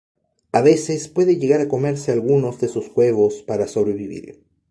A veces puede llegar a comerse algunos de sus huevos para sobrevivir.